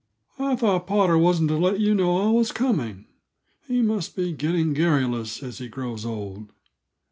"I thought Potter wasn't to let you know I was coming; he must be getting garrulous as he grows old.